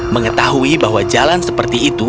mengetahui bahwa jalan seperti itu